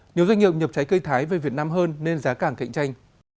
nhiều doanh nghiệp nhập trái cây thái về việt nam hơn nên giá càng cạnh tranh